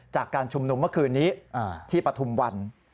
จากการชุมนุมเมื่อคืนนี้ที่ปฐุมวัน